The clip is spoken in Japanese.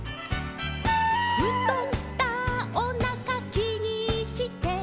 「ふとったおなかきにして」